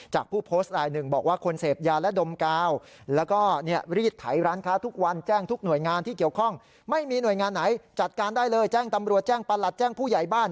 แจ้งตำรวจแจ้งประหลัดแจ้งผู้ใหญ่บ้าน